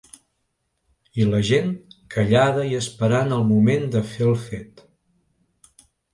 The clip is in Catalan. I la gent, callada i esperant el moment de fer el fet.